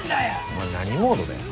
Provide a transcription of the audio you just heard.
お前何モードだよ。